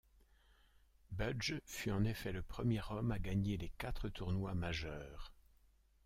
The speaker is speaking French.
Budge fut en effet le premier homme à gagner les quatre tournois majeurs.